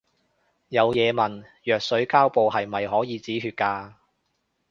有嘢問，藥水膠布係咪可以止血㗎